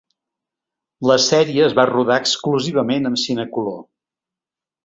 La sèrie es va rodar exclusivament amb Cinecolor.